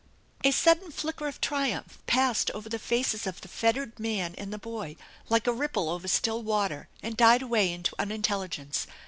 A sudden flicker of triumph passed over the faces of the fettered man and the boy, like a ripple over still water and died away into unintelligence.